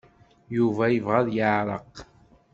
Yuba yebɣa ad yeɛreq.